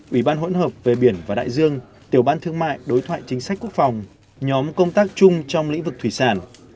ủy ban hỗn hợp về biển và đại dương tiểu ban thương mại đối thoại chính sách quốc phòng nhóm công tác chung trong lĩnh vực thủy sản